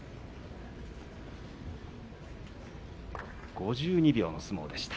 ５２秒の相撲でした。